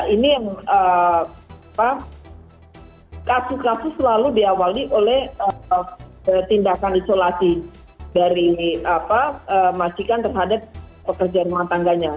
ini yang kasus kasus selalu diawali oleh tindakan isolasi dari majikan terhadap pekerja rumah tangganya